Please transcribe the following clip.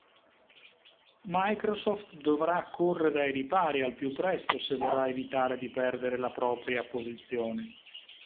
Microsoft dovrà correre ai ripari al più presto se vorrà evitare di perdere la propria posizione.